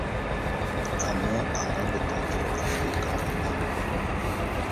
Ane a nga beta jô Afrikara na.